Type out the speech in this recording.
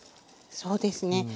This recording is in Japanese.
そうですね。